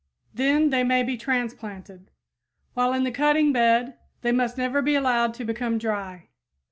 Then they may be transplanted. While in the cutting bed they must never be allowed to become dry.